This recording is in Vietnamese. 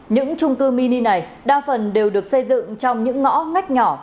những trung cư mini này đa phần đều được xây dựng trong những ngõ ngách nhỏ